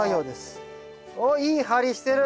おっいい張りしてる。